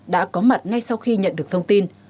đã có mặt ngay sau khi nhận được thông tin